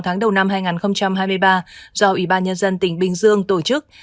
sáu tháng đầu năm hai nghìn hai mươi ba do ủy ban nhân dân tỉnh bình dương tổ chức